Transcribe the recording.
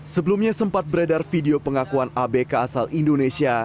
sebelumnya sempat beredar video pengakuan abk asal indonesia